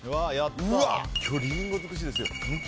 今日リンゴ尽くしですよ。